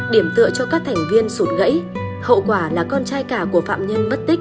điểm tựa cho các thành viên sụt gãy hậu quả là con trai cả của phạm nhân mất tích